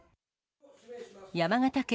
山形県